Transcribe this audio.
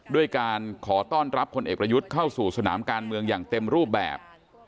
ด้วยการขอต้อนรับคนเอกประยุทธ์เข้าสู่สนามการเมืองอย่างเต็มรูปแบบ